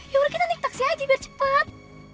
yaudah kita naik taksi aja biar cepet